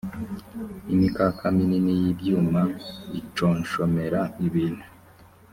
imikaka minini y ibyuma iconshomera ibintu